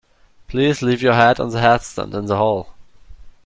Please leave your hat on the hatstand in the hall